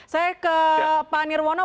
saya ke pak nirwono